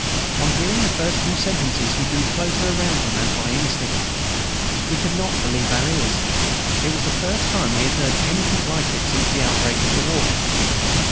On hearing the first few sentences we drew closer around him as by instinct. We could not believe our ears. It was the first time we had heard anything like it since the outbreak of the war.